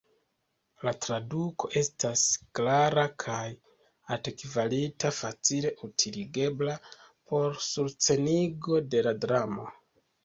La traduko estas klara kaj altkvalita, facile utiligebla por surscenigo de la dramo.